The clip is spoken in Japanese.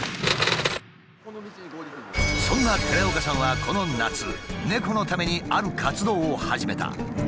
そんな寺岡さんはこの夏猫のためにある活動を始めた。